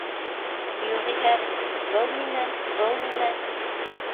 Юғиһә, «был нимә, был нимә?»